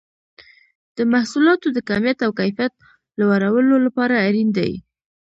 د محصولاتو د کمیت او کیفیت لوړولو لپاره اړین دي.